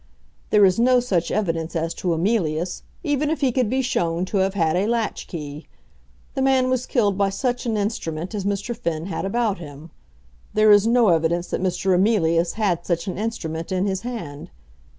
There is no such evidence as to Emilius, even if he could be shown to have had a latch key. The man was killed by such an instrument as Mr. Finn had about him. There is no evidence that Mr. Emilius had such an instrument in his hand.